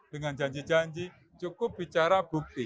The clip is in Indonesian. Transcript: dengan janji janji cukup bicara bukti